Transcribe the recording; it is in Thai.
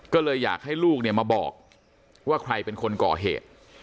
ก็เลยอยากให้ลูกเนี่ยมาบอกว่าใครเป็นคนก่อเหตุ